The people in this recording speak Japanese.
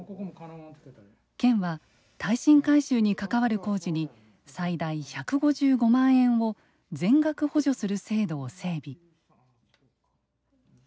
県は、耐震改修に関わる工事に最大１５５万円を全額補助する制度を整備。